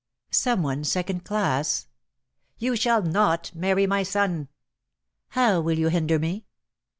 Someone second class." ^..... .i .. "You shall not marry my son." ;:'..:.:_ "How will you hinder me?"